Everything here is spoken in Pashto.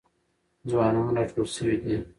ځوانان راټول سوي دي.